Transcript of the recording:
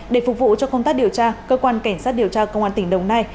để phục vụ cho công tác điều tra cơ quan cảnh sát điều tra công an tỉnh đồng nai